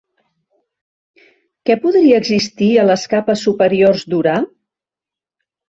Què podria existir a les capes superiors d'Urà?